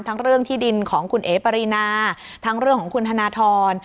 เรื่องที่ดินของคุณเอ๋ปรินาทั้งเรื่องของคุณธนทร